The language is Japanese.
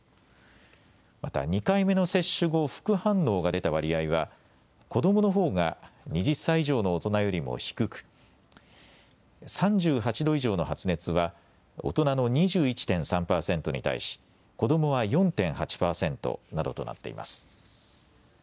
また２回目の接種後、副反応が出た割合は子どものほうが２０歳以上の大人よりも低く３８度以上の発熱は大人の２１．３％に対し子どもは４．８％などとなっています。